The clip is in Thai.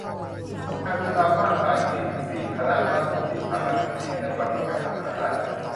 หากดูตามมาตรา สี่สิบสี่ คณะรัฐมนตรี สามารถมีมติให้เริ่มกระบวนการสรรหาได้